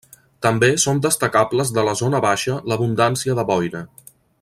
També són destacables de la zona baixa l'abundància de boira.